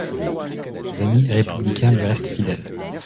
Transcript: Ses amis républicains lui restant fidèles.